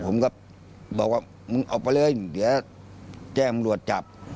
ผมก็บอกว่างึงออกไปเลยเดี๋ยวแจ้องจับ